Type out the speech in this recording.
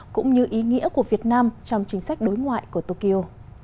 cũng như ý nghĩa của việt nam trong chính sách đối ngoại của tokyo